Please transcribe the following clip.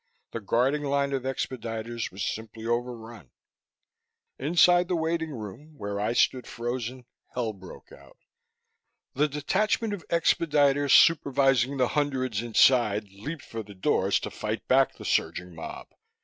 The guarding line of expediters was simply overrun. Inside the waiting room, where I stood frozen, hell broke out. The detachment of expediters, supervising the hundreds inside leaped for the doors to fight back the surging mob.